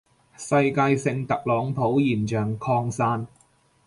世界性特朗普現象擴散